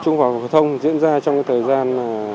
chung khóa hòa thông diễn ra trong thời gian